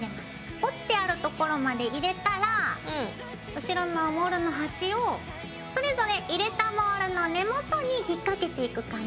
折ってある所まで入れたら後ろのモールの端をそれぞれ入れたモールの根元に引っ掛けていく感じ。